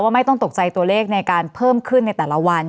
ไม่ต้องตกใจตัวเลขในการเพิ่มขึ้นในแต่ละวัน